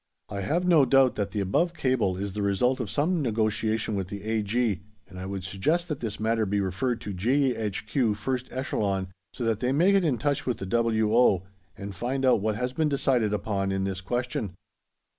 I have no doubt that the above cable is the result of some negotiation with the A.G., and I would suggest that this matter be referred to G.H.Q., 1st Echelon, so that they may get into touch with the W.O., and find out what has been decided upon in this question.